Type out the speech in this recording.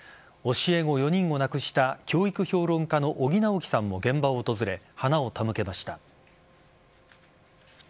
教え子４人を亡くした教育評論家の尾木直樹さんも現場を訪れ花を手向けました。